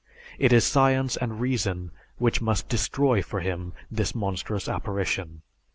It is science and reason which must destroy for him this monstrous apparition.